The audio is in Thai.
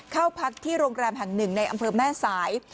เข้าพักที่โรงแรมแห่งหนึ่งในอำเภอแม่สาย